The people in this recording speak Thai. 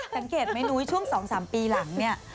เห็นเห็นไหมณุ้ยช่วง๒๓ปีหลังเนี่ย